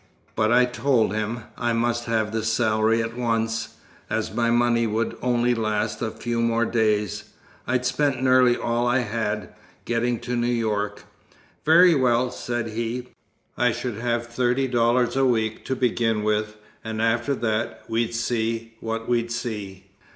But I told him I must have the salary at once, as my money would only last a few more days. I'd spent nearly all I had, getting to New York. Very well, said he, I should have thirty dollars a week to begin with, and after that, we'd see what we'd see.